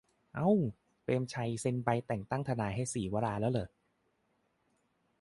"อ่าว เปรมชัยเซ็นใบแต่งทนายให้ศรีวราห์แล้วหรอ"